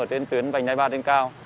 ở trên tuyến vành đai ba trên cao